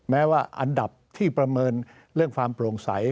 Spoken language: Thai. แม้ว่าอันดับที่ประเมินเรื่องความโปร่งใส